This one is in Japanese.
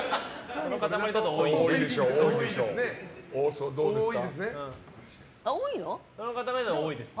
その塊だと多いですね。